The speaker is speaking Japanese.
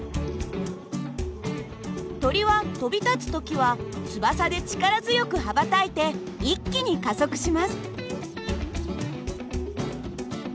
鳥は飛び立つ時は翼で力強く羽ばたいて一気に加速します。